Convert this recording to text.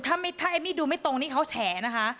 ถ้าเอมมี่ดูไม่ตรงนี่เขาแฉนะคะ